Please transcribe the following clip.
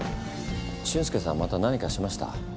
俊介さんまた何かしました？